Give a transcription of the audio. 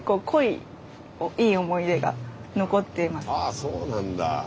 あそうなんだ。